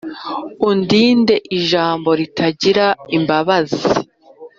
Undinde ijambo ritagira imbabazi